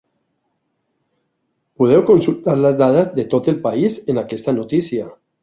Podeu consultar les dades de tot el país en aquesta notícia.